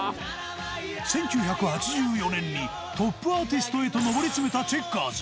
１９８４年にトップアーティストへと上り詰めたチェッカーズ。